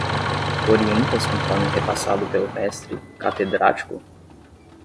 Tu orientas conforme repassado pelo mestre catedrático?